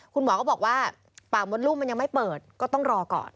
คุณหมอก็บอกว่าปากมดลูกมันยังไม่เปิดก็ต้องรอก่อน